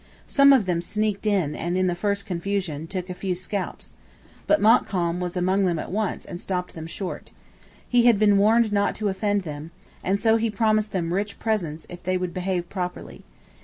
Some of them sneaked in and, in the first confusion, took a few scalps. But Montcalm was among them at once and stopped them short. He had been warned not to offend them; and so he promised them rich presents if they would behave properly.